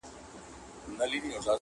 د بادار په حلواګانو وي خوشاله -